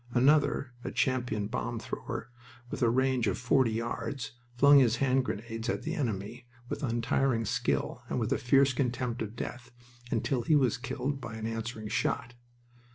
Another, a champion bomb thrower, with a range of forty yards, flung his hand grenades at the enemy with untiring skill and with a fierce contempt of death, until he was killed by an answering shot.